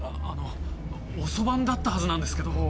あの遅番だったはずなんですけど。